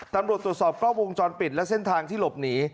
ตรวจสอบกล้องวงจรปิดและเส้นทางที่หลบหนี